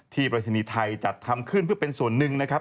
ปริศนีย์ไทยจัดทำขึ้นเพื่อเป็นส่วนหนึ่งนะครับ